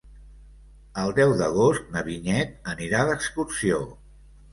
El deu d'agost na Vinyet anirà d'excursió.